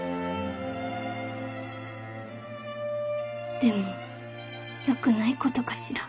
でもよくないことかしら。